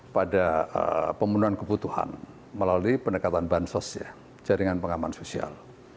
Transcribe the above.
pada pembunuhan kebutuhan melalui pendekatan bahan sosial jaringan pengaman sosial